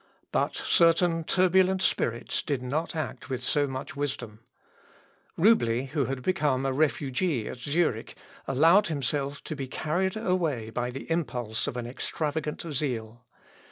But certain turbulent spirits did not act with so much wisdom. Roubli, who had become a refugee at Zurich, allowed himself to be carried away by the impulse of an extravagant zeal.